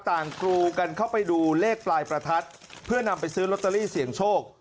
กรูกันเข้าไปดูเลขปลายประทัดเพื่อนำไปซื้อลอตเตอรี่เสี่ยงโชค